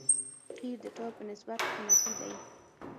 قیر د ټار په نسبت قیمتي دی